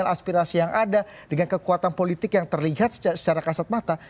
aspirasi yang ada dengan kekuatan politik yang terlihat secara kasat mata